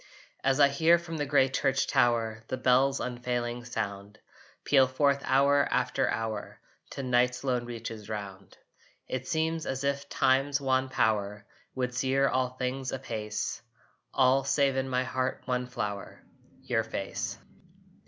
As I hear, from the gray church tower, The bell's unfailing sound Peal forth hour after hour To night's lone reaches round, It seems as if Time's wan power Would sear all things apace All, save in my heart one flower, Your face.